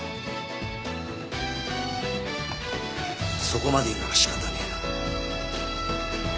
そこまで言うなら仕方ねえな。